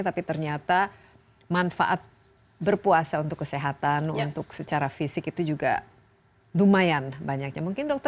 tapi ternyata manfaat berpuasa untuk kesehatan untuk secara fisik itu juga lumayan banyaknya